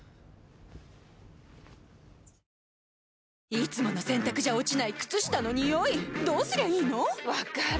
いつもの洗たくじゃ落ちない靴下のニオイどうすりゃいいの⁉分かる。